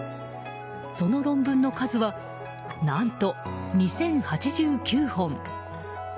その論文の数は何と２０８９本。